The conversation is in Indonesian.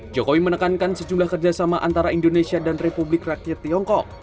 jokowi menekankan sejumlah kerjasama antara indonesia dan republik rakyat tiongkok